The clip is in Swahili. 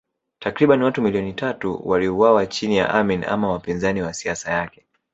Takriban watu milioni tatu waliuawa chini ya Amin ama wapinzani wa siasa yake